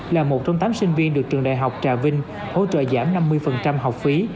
là một trong tám sinh viên được trường đại học trà vinh hỗ trợ giảm năm mươi học phí